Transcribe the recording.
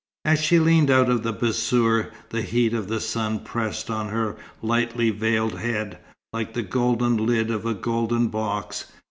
As she leaned out of the bassour, the heat of the sun pressed on her lightly veiled head, like the golden lid of a golden box.